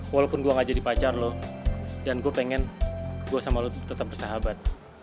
walaupun gue gak jadi pacar lo dan gue pengen gue sama lo tetep bersahabat